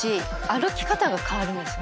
歩き方が変わるんです。